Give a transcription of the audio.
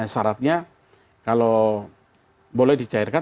syaratnya kalau boleh dicairkan